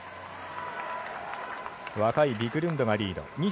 若いビクルンドがリード。